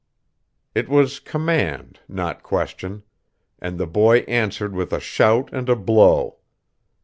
It was command, not question; and the boy answered with a shout and a blow....